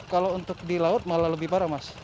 kalau untuk di laut malah lebih parah mas